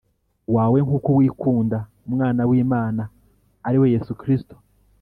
wawe nk uko wikunda Umwana w Imana ari we Yesu Kristo